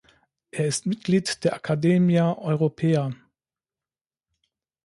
Er ist Mitglied der Academia Europaea.